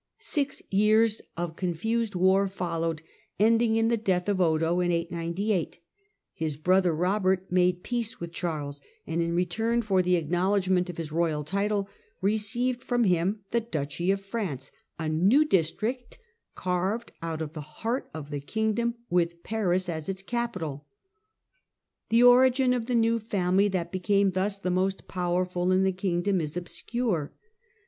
Six years of confused war followed, ending in the death of Odo in 898. His brother Kobert made peace with Charles, and in return for the acknowledgment of his royal title received from him the " Duchy of France," a new district carved out of the heart of the kingdom with Paris as its capital. The origin of the new family that became thus the most powerful in the kingdom is obscure.